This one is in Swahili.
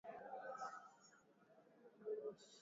pwani ya Afrika asharikina wageni wa kutoka